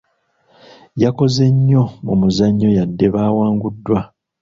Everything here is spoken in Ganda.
Yakoze nnyo mu muzannyo yadde baawanguddwa.